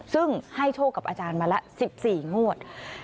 ซึ่งให้โชคกับอาจารย์มาละ๑๔งวด